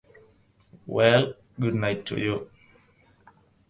Well, good-night to you.